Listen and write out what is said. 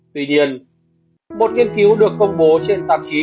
tuy nhiên một nghiên cứu được công bố trên tạp chí